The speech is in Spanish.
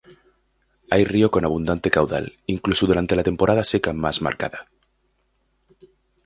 Hay río con abundante caudal, incluso durante la temporada seca más marcada.